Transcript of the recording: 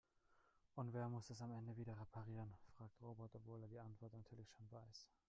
Und wer muss es am Ende wieder reparieren?, fragt Robert, obwohl er die Antwort natürlich schon weiß.